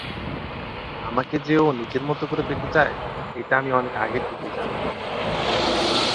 আমাকে যে ও নিজের করে পেতে চাই, এইটা আমি অনেক আগ থেকেই জানি।